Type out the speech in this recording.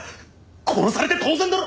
殺されて当然だろ！